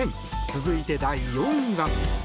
続いて、第４位は。